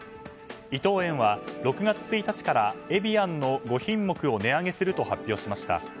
伊藤園は６月１日からエビアンの５品目を値上げすると発表しました。